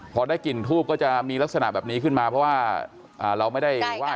พอได้กลิ่นทูบก็จะมีลักษณะแบบนี้ขึ้นมาเพราะว่าเราไม่ได้ไหว้